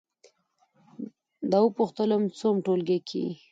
ده وپوښتلم: څووم ټولګي کې یې؟